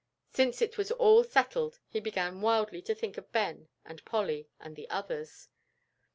Since it was all settled, he began wildly to think of Ben and Polly and the others.